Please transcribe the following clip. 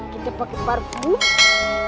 kita pakai parfum